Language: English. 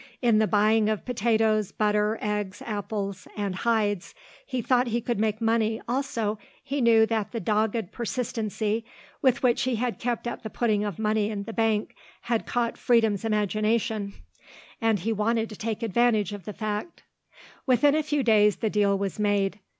In the buying of potatoes, butter, eggs, apples, and hides he thought he could make money, also, he knew that the dogged persistency with which he had kept at the putting of money in the bank had caught Freedom's imagination, and he wanted to take advantage of the fact. Within a few days the deal was made.